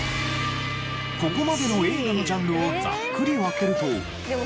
ここまでの映画のジャンルをざっくり分けると。